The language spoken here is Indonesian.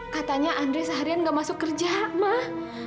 katanya andre seharian nggak masuk kerja mbak